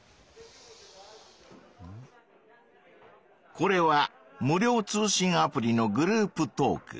これは無料通信アプリのグループトーク。